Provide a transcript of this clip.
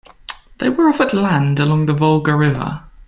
They were offered land along the Volga River.